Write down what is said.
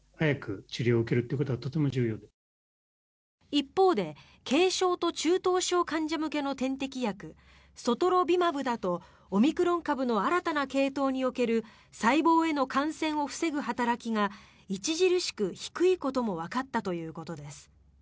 一方で軽症と中等症患者向けの点滴薬ソトロビマブだとオミクロン株の新たな系統における細胞への感染を防ぐ働きが著しく低いこともわかったということです。